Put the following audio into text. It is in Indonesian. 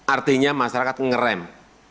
artinya masyarakat ngerem